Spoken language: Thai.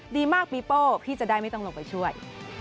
ดีมากปีโป้พี่จะได้ไม่ต้องลงไปช่วย